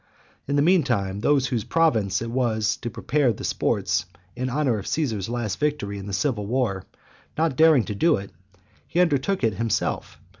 In the mean time, those whose province it was to prepare the sports in honour of Caesar's last victory in the civil war, not daring to do it, he undertook it himself.